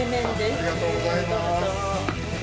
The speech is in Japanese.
ありがとうございます。